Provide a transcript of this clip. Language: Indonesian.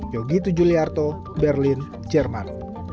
yogi tujuliarto berlin jerman